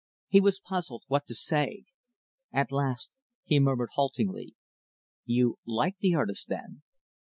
He was puzzled what to say. At last, he murmured haltingly, "You like the artist, then?"